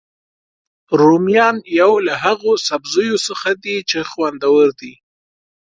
رومیان یو له هغوسبزیو څخه دي چې خوندور دي